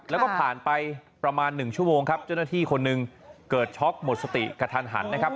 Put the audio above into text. แล้วก็ผ่านไปประมาณหนึ่งชั่วโมงครับเจ้าหน้าที่คนหนึ่งเกิดช็อกหมดสติกระทันหันนะครับ